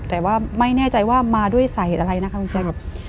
แต่ว่าไม่แน่ใจว่ามาด้วยสาเหตุอะไรนะคะคุณแจ๊ค